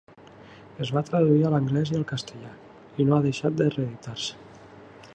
Es va traduir a l'anglès i al castellà i no ha deixat reeditar-se.